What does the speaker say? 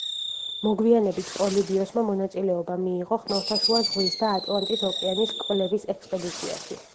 მოგვიანებით პოლიბიოსმა მონაწილეობა მიიღო ხმელთაშუა ზღვის და ატლანტის ოკეანის კვლევის ექსპედიციაში.